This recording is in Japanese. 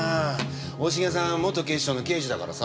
大重さん元警視庁の刑事だからさ。